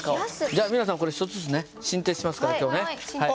じゃあ皆さんこれ１つずつね進呈しますから今日ね。